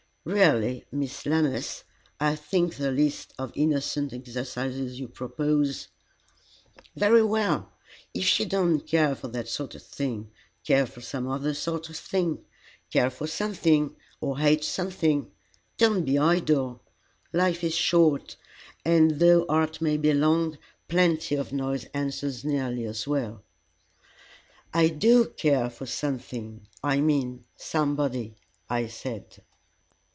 "Really, Miss Lammas, I think the list of innocent exercises you propose " "Very well if you don't care for that sort of thing, care for some other sort of thing. Care for something, or hate something. Don't be idle. Life is short, and though art may be long, plenty of noise answers nearly as well." "I do care for something I mean, somebody," I said.